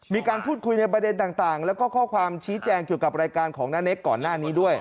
มีการพูดคุยในประเด็นต่างแล้วก็ข้อความชี้แจงเกี่ยวกับรายการของน้าเนคก่อนหน้านี้ด้วย